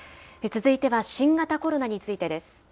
続いては新型コロナについてです。